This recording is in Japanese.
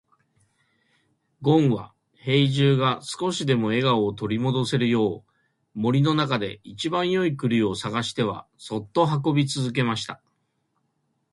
ごんは兵十が少しでも笑顔を取り戻せるよう、森の中で一番よい栗を探してはそっと運び続けました。